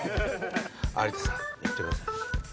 有田さんいってください。